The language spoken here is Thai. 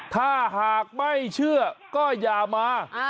ถ้าหากไม่เชื่อก็อย่ามา